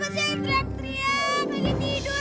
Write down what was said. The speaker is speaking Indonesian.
enggak supan banget sih kurang ajar